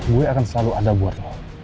gue akan selalu ada buat lo